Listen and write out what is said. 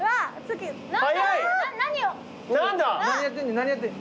何やってんねん？